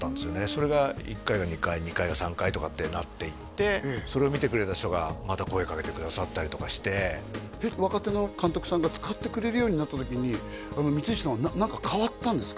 それが１回が２回２回が３回とかってなっていってそれを見てくれた人がまた声かけてくださったりとかしてえっ若手の監督さんが使ってくれるようになった時に光石さんは何か変わったんですか？